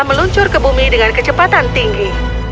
meluncur ke bumi dengan kecepatan tinggi